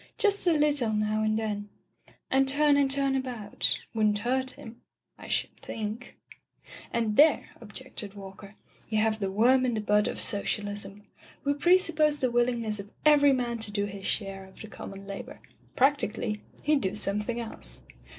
Just a little now and then, and turn and turn about, wouldn't hurt him — I should think " "And there," objected Walker, "you have the worm in the bud of socialism. We pre suppose the willingness of every man to do his share of the common labor. Practically, heM do something else."